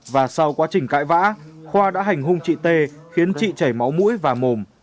và sau quá trình cãi vã khoa đã hành hung chị t khiến chị chảy máu mũi và mồm